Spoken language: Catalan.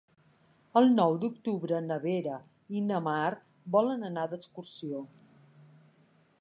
El nou d'octubre na Vera i na Mar volen anar d'excursió.